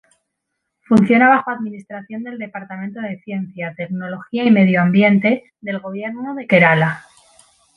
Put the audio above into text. Funciona bajo administración del departamento de ciencia, tecnología y medioambiente, del gobierno de Kerala.